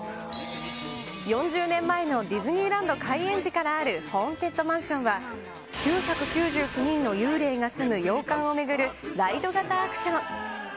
４０年前のディズニーランド開園時からあるホーンテッドマンションは、９９９人の幽霊が住む洋館を巡るライド型アトラクション。